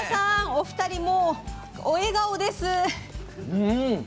お二人、笑顔です。